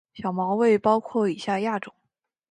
小毛猬包括以下亚种